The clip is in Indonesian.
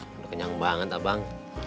udah kenyang banget abang